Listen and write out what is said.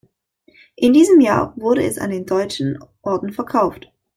In diesem Jahr wurde es an den Deutschen Orden verkauft.